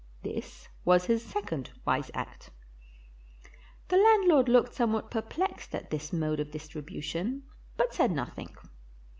This was his second wise act. The landlord looked somewhat perplexed at this mode of distribution, but said nothing.